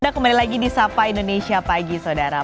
anda kembali lagi di sapa indonesia pagi saudara